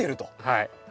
はい。